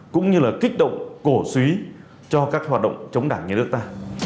cũng như là kích động cổ suý cho các hoạt động chống đảng nhà nước ta